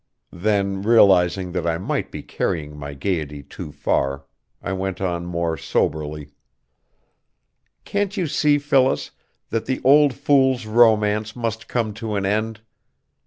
Then realizing that I might be carrying my gayety too far, I went on more soberly: "Can't you see, Phyllis, that the old fool's romance must come to an end?